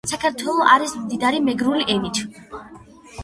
საქართველო არი მდიდარი მეგრული ენით.